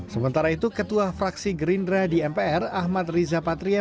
sementara itu ketua fraksi gerindra di mpr ahmad riza patria